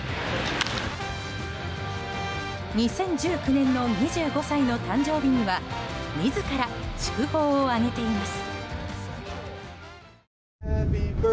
２０１９年の２５歳の誕生日には自ら祝砲を上げています。